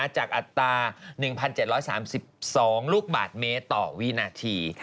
อัตรา๑๗๓๒ลูกบาทเมตรต่อวินาที